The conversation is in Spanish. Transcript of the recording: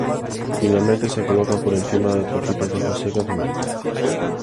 Finalmente se colocan por encima trocitos de hojas secas de menta.